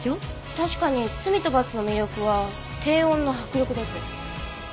確かに『罪と罰』の魅力は低音の迫力です。